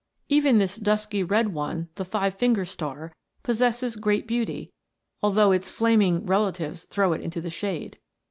Even this dtisky red onet possesses great beauty, though its flaming relatives throw it into the shade.